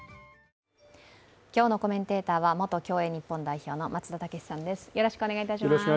今日のコメンテーターは元競泳日本代表の松田丈志さんです。